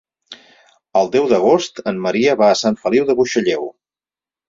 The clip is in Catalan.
El deu d'agost en Maria va a Sant Feliu de Buixalleu.